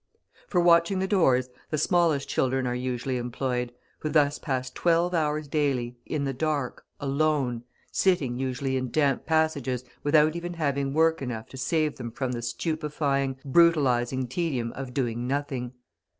For watching the doors the smallest children are usually employed, who thus pass twelve hours daily, in the dark, alone, sitting usually in damp passages without even having work enough to save them from the stupefying, brutalising tedium of doing nothing.